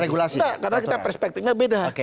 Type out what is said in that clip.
karena kita perspektifnya beda